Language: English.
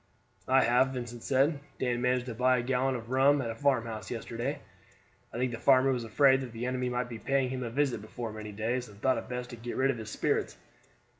"I have," Vincent said. "Dan managed to buy a gallon of rum at a farmhouse yesterday. I think the farmer was afraid that the enemy might be paying him a visit before many days, and thought it best to get rid of his spirits.